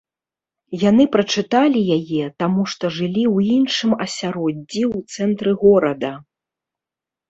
Яны прачыталі яе, таму што жылі ў іншым асяроддзі ў цэнтры горада.